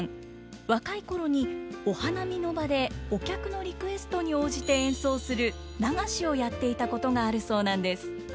若い頃にお花見の場でお客のリクエストに応じて演奏する流しをやっていたことがあるそうなんです。